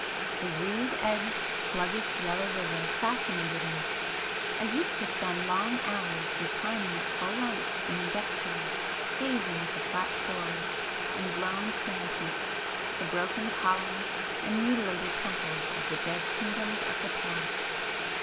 The reed edged, sluggish yellow river fascinated me,—I used to spend long hours reclining at full length in a deck chair, gazing at the flat shores, the blown sand heaps, the broken [p 444] columns and mutilated temples of the dead kingdoms of the past.